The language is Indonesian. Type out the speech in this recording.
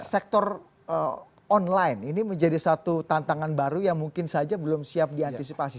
sektor online ini menjadi satu tantangan baru yang mungkin saja belum siap diantisipasi